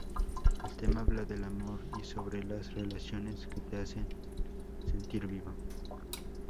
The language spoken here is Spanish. El tema habla del amor y sobre las relaciones que te hacen sentir vivo.